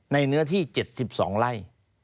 เนื้อที่๗๒ไร่